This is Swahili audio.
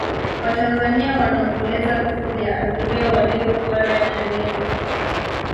watanzania wanaomboleza vifo vya abiria waliyokuwa ndani ya meli